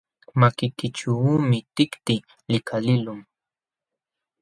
Makiykićhuumi tikti likaliqlun.